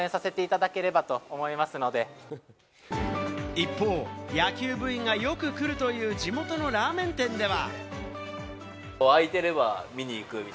一方、野球部員がよく来るという地元のラーメン店では。